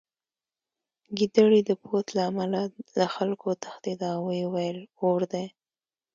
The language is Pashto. ګیدړې د پوست له امله له خلکو وتښتېده او ویې ویل اور دی